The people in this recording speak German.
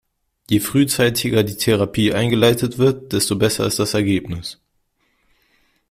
Je frühzeitiger die Therapie eingeleitet wird, desto besser ist das Ergebnis.